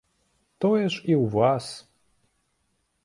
Тое ж і ў вас.